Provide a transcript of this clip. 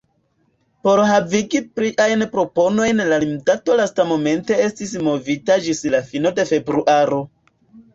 Por havigi pliajn proponojn la limdato lastmomente estis movita ĝis la fino de februaro.